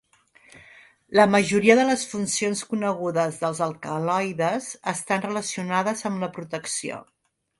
La majoria de les funcions conegudes dels alcaloides estan relacionades amb la protecció.